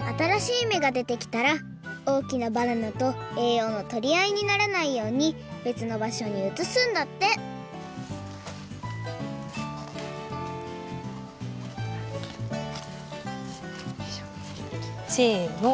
あたらしいめがでてきたらおおきなバナナとえいようのとりあいにならないようにべつのばしょにうつすんだってせの！